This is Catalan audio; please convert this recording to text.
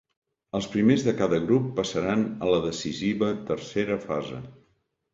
Els primers de cada grup passaran a la decisiva tercera fase.